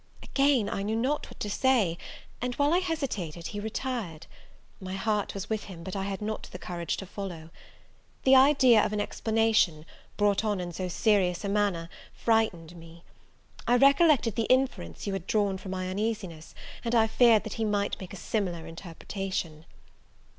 Again I knew not what to say; and while I hesitated, he retired. My heart was with him, but I had not the courage to follow. The idea of an explanation, brought on in so serious a manner, frightened me. I recollected the inference you had drawn from my uneasiness, and I feared that he might make a similar interpretation.